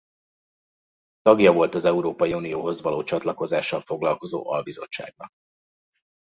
Tagja volt az Európai Unióhoz való csatlakozással foglalkozó albizottságnak.